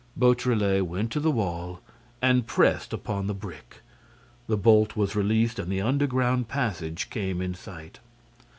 Beautrelet went to the wall and pressed upon the brick. The bolt was released and the underground passage came in sight.